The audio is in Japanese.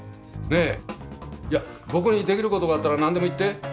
いやっ僕にできる事があったら何でも言って。